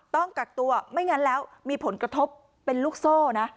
ต้องกักตัวไม่งั้นแล้วมีผลกระทบเป็นลูกโซ่นะ